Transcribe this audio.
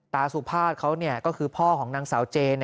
สุภาษย์เขาก็คือพ่อของนางสาวเจ